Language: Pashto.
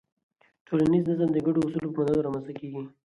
ټولنیز نظم د ګډو اصولو په منلو رامنځته کېږي.